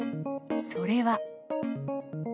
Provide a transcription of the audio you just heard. それは。